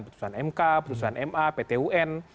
putusan mk putusan ma ptun